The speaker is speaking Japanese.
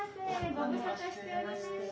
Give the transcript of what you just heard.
ご無沙汰しておりました。